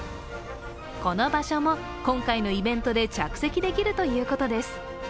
この場所も今回のイベントで着席できるということです。